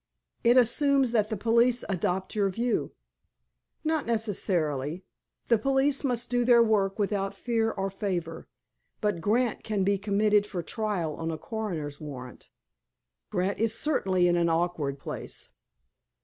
"It assumes that the police adopt your view." "Not necessarily. The police must do their work without fear or favor. But Grant can be committed for trial on a coroner's warrant." "Grant is certainly in an awkward place."